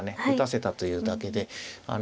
打たせたというだけで。